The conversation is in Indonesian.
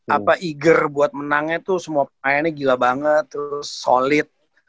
apa eager buat menangnya tuh semua pemainnya gila banget terus solid